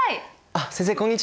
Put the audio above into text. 先生こんにちは！